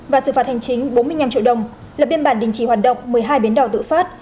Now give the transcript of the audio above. và xử phạt hành chính bốn mươi năm triệu đồng lập biên bản đình chỉ hoạt động một mươi hai bến đỏ tự phát